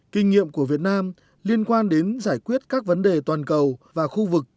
kinh nghiệm của việt nam liên quan đến giải quyết các vấn đề toàn cầu và khu vực